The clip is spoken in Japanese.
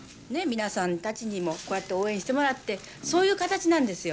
皆さんたちにもこうやって応援してもらって、そういう形なんですよ。